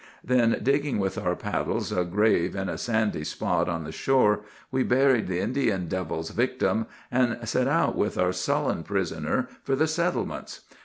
"Then, digging with our paddles a grave in a sandy spot on the shore, we buried the Indian devil's victim, and set out with our sullen prisoner for the settlements.